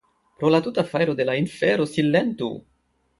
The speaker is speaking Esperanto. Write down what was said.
Pro la tuta fajro de la infero, silentu!